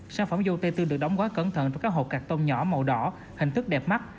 sản phẩm dâu tây tươi được đóng quá cẩn thận trong các hộp cạc tông nhỏ màu đỏ hình thức đẹp mắt